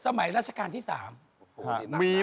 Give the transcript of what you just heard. สมัยราชการที่๓